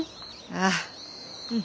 ああうん。